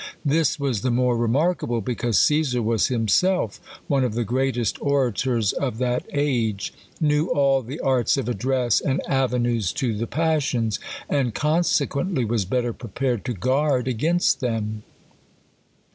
This was the more remarkable, because Cesar was him self 10 THE COLUMBIAN ORATOR. self one of the greatest orators of that age ; knew all the arts of address, and avenues to the passions ; and con sequently was better prepared to guard against them.